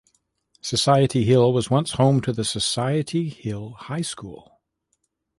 Society Hill was once home to the Society Hill High School.